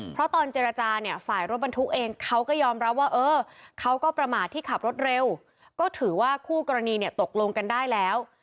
เพราะตอนเจรจาเนี่ยฝ่ายรถบรรทุกเองเขาก็ยอมรับว่าเออเขาก็ประมาทที่ขับรถเร็วก็ถือว่าคู่กรณีเนี่ยตกลงกันได้แล้ว